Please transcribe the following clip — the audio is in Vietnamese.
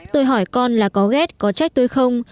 tôi hỏi con là có ghét có trách tôi không